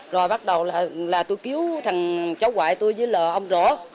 rồi bắt đầu là tôi cứu thằng cháu quại tôi với là ông rổ